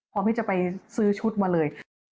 พร้อมที่จะไปซื้อชุดมาเลย